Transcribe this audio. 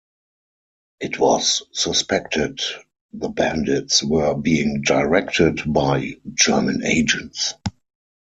It was suspected the bandits were being directed by German agents.